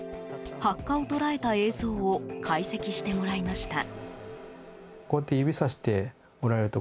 白化を捉えた映像を解析してもらいました。